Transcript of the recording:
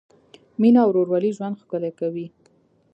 مینه او ورورولي ژوند ښکلی کوي.